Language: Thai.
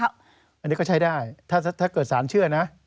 อันนี้ก็ใช้ได้ถ้าเกิดสารเชื่อนะ